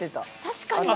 確かに。